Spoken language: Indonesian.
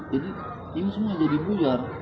jadi ini semua jadi bujar